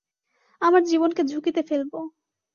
আমার জীবনকে ঝুঁকিতে ফেলবো!